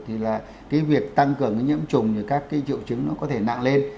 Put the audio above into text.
thì là cái việc tăng cường cái nhiễm trùng rồi các cái triệu chứng nó có thể nặng lên